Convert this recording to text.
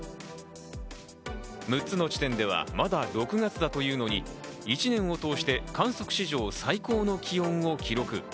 ６つの地点ではまだ６月だというのに１年を通して観測史上最高の気温を記録。